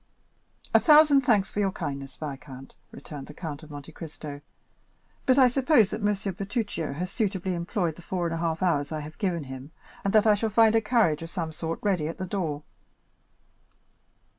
"A thousand thanks for your kindness, viscount," returned the Count of Monte Cristo "but I suppose that M. Bertuccio has suitably employed the four hours and a half I have given him, and that I shall find a carriage of some sort ready at the door."